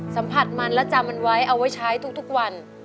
สัมผัสมันและจำมันไว้เอาไว้ใช้ทุกวัน